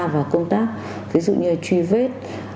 và công tác ví dụ như truy vết